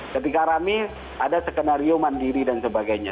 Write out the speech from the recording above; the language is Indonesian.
ketika rame ada skenario mandiri dan sebagainya